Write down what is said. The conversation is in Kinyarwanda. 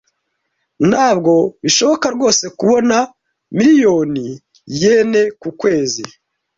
Ntabwo bishoboka rwose kubona miliyoni yen ku kwezi.